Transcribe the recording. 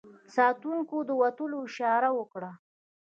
ساتونکو د وتلو اشاره وکړه.